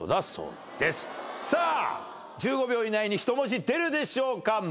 さあ１５秒以内に１文字出るでしょうか。